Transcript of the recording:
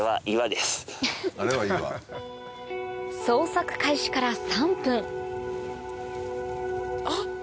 捜索開始から３分あっ！